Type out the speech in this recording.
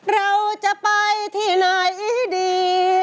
เราจะไปที่ไหนดี